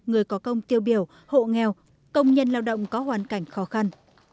người có công tiêu biểu hộ nghèo công nhân lao động có hoàn cảnh khó khăn